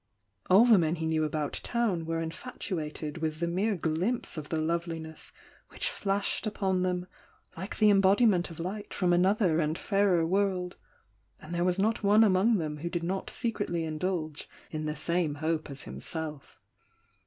All the men he knew about town were infatuated with the mere glimpse of the loveliness which flashed upon them like the embodiment of light from another and fairer world, and there was not one among them who did not secretly indulge in the same hope as himself.